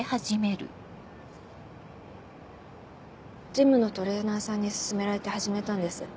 ジムのトレーナーさんに勧められて始めたんです。